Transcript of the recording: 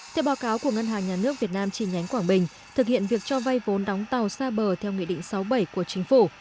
theo báo cáo của ngân hàng nhà nước việt nam chi nhánh quảng bình thực hiện việc cho vay vốn đóng tàu xa bờ theo nghị định sáu bảy của chính phủ